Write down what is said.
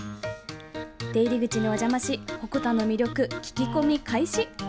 出入り口にお邪魔し鉾田の魅力、聞き込み開始。